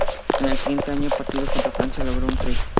En el siguiente partido, contra Francia, logró un try.